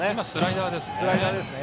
スライダーですね。